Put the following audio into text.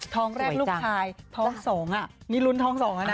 ท้องแรกลูกชายท้องสองอ่ะนี่รุ่นท้องสองอ่ะนะ